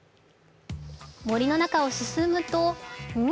森の中を進むと、ん？